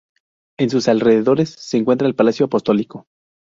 En sus alrededores se encuentra el Palacio Apostólico.